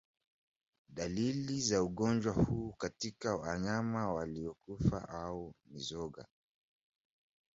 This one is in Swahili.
Dalili za ugonjwa huu katika wanyama waliokufa au mizoga